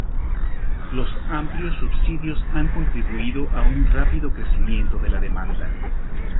Los amplios subsidios han contribuido a un rápido crecimiento de la demanda.